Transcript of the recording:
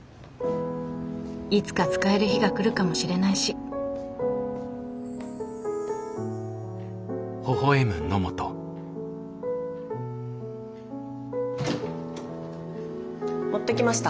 いつか使える日が来るかもしれないし持ってきました。